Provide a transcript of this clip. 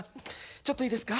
ちょっといいですか？